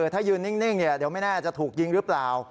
ถ้ายืนนิ่งเดี๋ยวไม่แน่จะถูกยิงหรือเปล่า